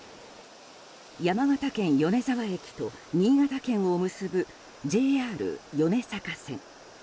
山形県米沢駅と新潟県を結ぶＪＲ米坂線。